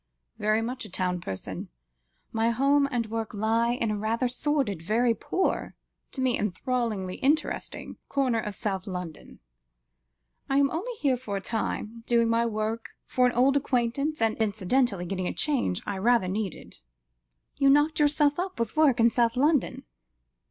"Very much a town person. My home and work lie in a rather sordid, very poor to me, enthrallingly interesting corner of South London. I am only here for a time, doing his work for an old acquaintance, and incidentally getting a change I rather needed." "You knocked yourself up with work in South London?"